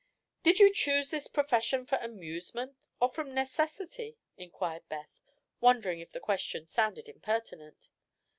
"Did you choose, this profession for amusement, or from necessity?" inquired Beth, wondering if the question sounded impertinent.